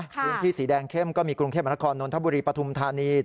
พื้นที่สีแดงเข้มก็มีกรุงเทพมนครนนทบุรีปฐุมธานี